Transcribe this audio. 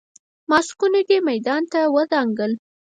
ماسکو دې میدان ته ودانګل.